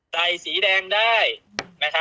สีแดงได้นะครับ